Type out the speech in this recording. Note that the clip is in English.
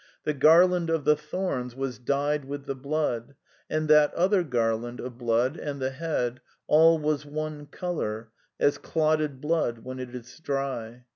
The Garland of the Thorns was dyed with the blood, and that other garland (of Blood) and the head, all was one colour, as clotted blood when it is dry.